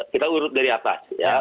kita urut dari atas